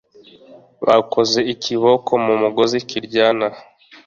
Bakoze ikiboko mu mugozi ki ryana